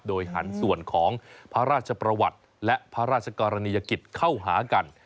หันส่วนของพระราชประวัติและพระราชกรณียกิจเข้าหากัน